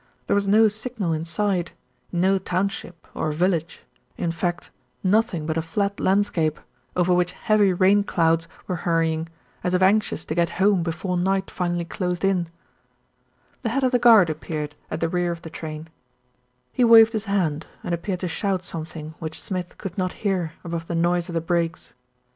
There was no signal in sight, no township or village, in fact nothing but a flat landscape, over which heavy rain clouds were hurrying, as if anxious to get home before night finally closed in. The head of the guard appeared at the rear of the 20 THE RETURN OF ALFRED train. He waved his hand and appeared to shout something which Smith could not hear above the noise of the brakes.